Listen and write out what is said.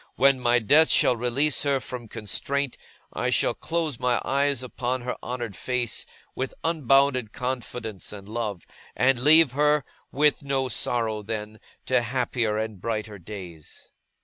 when my death shall release her from constraint, I shall close my eyes upon her honoured face, with unbounded confidence and love; and leave her, with no sorrow then, to happier and brighter days.